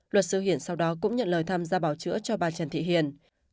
luật sư hiển sau đó cũng nhận lời tham gia bảo chữa cho bà trần thị hiền